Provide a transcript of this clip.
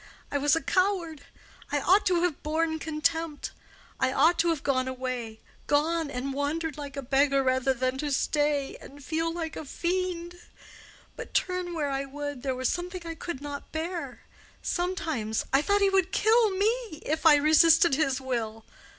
I was a coward. I ought to have borne contempt. I ought to have gone away—gone and wandered like a beggar rather than stay to feel like a fiend. But turn where I would there was something I could not bear. Sometimes I thought he would kill me if I resisted his will.